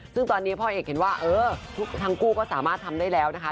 ซึ่งตอนนี้พ่อเอกเห็นว่าเออทั้งคู่ก็สามารถทำได้แล้วนะคะ